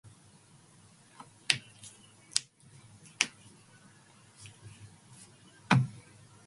Dunstall was a highly accurate and reliable set shot for goal.